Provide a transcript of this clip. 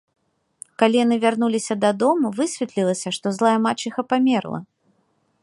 Калі яны вярнуліся да дому, высветлілася, што злая мачыха памерла.